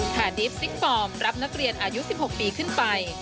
ดีฟซิกฟอร์มรับนักเรียนอายุ๑๖ปีขึ้นไป